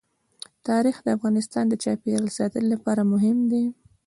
تاریخ د افغانستان د چاپیریال ساتنې لپاره مهم دي.